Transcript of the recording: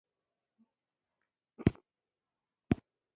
ژورې سرچینې د افغان کلتور په داستانونو کې په پوره تفصیل سره راځي.